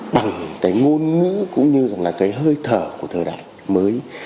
bằng cái ngôn ngữ cũng như là cái hơi thở của thời đại mới